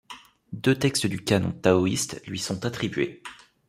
Deux textes du canon taoïste lui sont attribués.